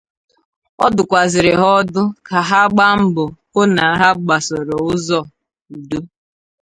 ọ dụkwazịrị ha ọdụ ka ha gbaa mbọ hụ na ha gbasoro ụzọ udo